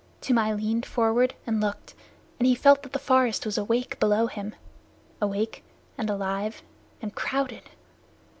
Toomai leaned forward and looked, and he felt that the forest was awake below him awake and alive and crowded.